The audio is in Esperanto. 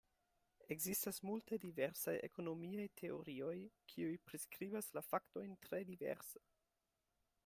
Ekzistas multaj diversaj ekonomiaj teorioj, kiuj priskribas la faktojn tre diverse.